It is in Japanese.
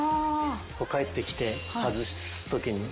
帰ってきて外すときに中に戻す。